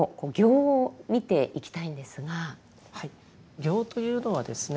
行というのはですね